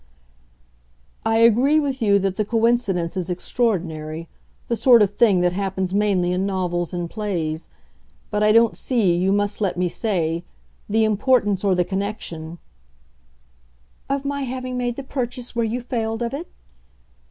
"I agree with you that the coincidence is extraordinary the sort of thing that happens mainly in novels and plays. But I don't see, you must let me say, the importance or the connexion " "Of my having made the purchase where you failed of it?"